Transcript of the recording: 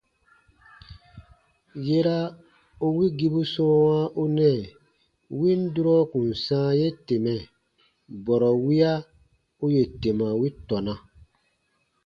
Yera u wigibu sɔ̃ɔwa u nɛɛ win durɔ kùn sãa ye temɛ, bɔrɔ wiya u yè tema wi tɔna.